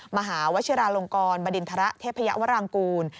มหาวชิราลงกรบดินทรเทพยาวรางกูล